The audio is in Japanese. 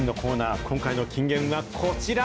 今回の金言はこちら。